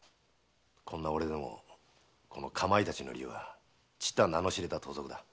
こんな俺でもカマイタチの竜はちったあ名の知れた盗賊だ。